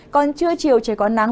còn trưa chiều trời có nắng